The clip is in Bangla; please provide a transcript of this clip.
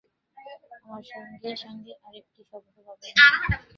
আমার সঙ্গে সঙ্গে আর-একটি সভ্যও পাবেন।